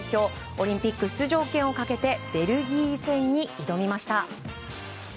オリンピック出場権をかけてベルギー戦に挑みました。